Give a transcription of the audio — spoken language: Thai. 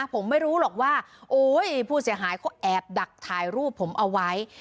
ผมไม่รู้หรอกว่าโอ๊ยผู้เสียหายเขาแอบดักถ่ายรูปผมเอาไว้